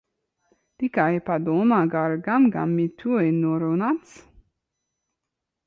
Tikai padomā par Gam Gam minūti, norunāts?